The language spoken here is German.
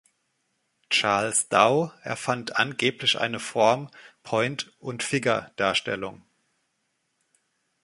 Charles Dow erfand angeblich eine Form Point- und Figure-Darstellung.